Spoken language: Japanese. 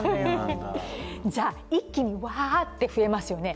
じゃあ、一気にわーって増えますよね